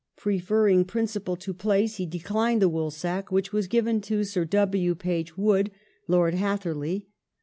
Preferring principle to place, he declined the Woolsack which was given to Sir W. Page Wood (Lord Hatherley).